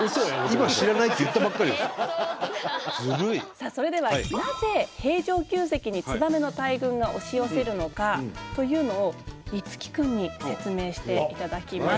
さあそれではなぜ平城宮跡にツバメの大群が押し寄せるのかというのを樹くんに説明していただきます。